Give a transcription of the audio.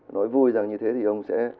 nói vui rằng như thế thì ông sẽ